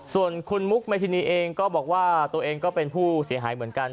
ส่วนคุณมุกเมธินีเองก็บอกว่าตัวเองก็เป็นผู้เสียหายเหมือนกัน